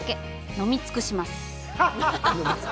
飲み尽くします！